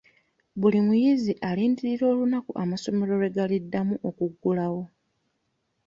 Buli muyizi alindirira olunaku amasomero lwe galiddamu okuggulawo.